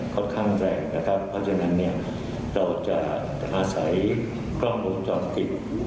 ค่อนข้างแรงนะครับเพราะฉะนั้นเนี่ยเราจะอาศัยกล้องวงจรปิด